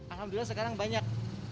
alhamdulillah sekarang banyak